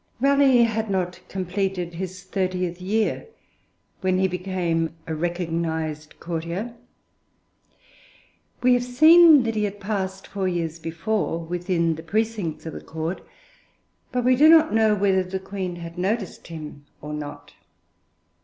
Raleigh had not completed his thirtieth year when he became a recognised courtier. We have seen that he had passed, four years before, within the precincts of the Court, but we do not know whether the Queen had noticed him or not.